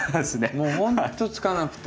もうほんとつかなくて。